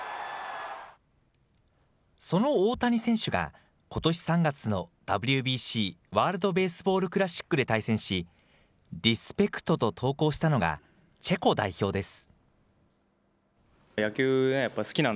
その大谷選手が、ことし３月のＷＢＣ・ワールドベースボールクラシックで対戦し、リスペクト！と投稿したのがチェコ代表です。